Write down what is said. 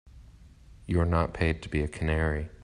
You're not paid to be a canary.